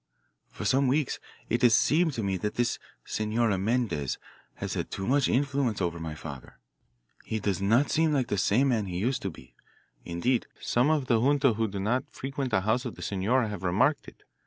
"For some weeks it has seemed to me that this Senora Mendez has had too much influence over my father. He does not seem like the same man he used to be. Indeed, some of the junta who do not frequent the house of the senora have remarked it.